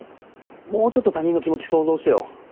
もうちょっと他人の気持ち想像してよ。